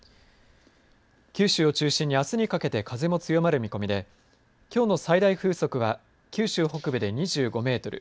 九州を中心にあすにかけて風も強まる見込みできょうの最大風速は九州北部で２５メートル